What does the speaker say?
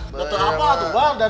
betul apa atuh pak